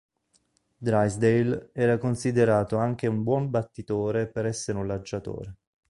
Drysdale era considerato anche un buon battitore per essere un lanciatore.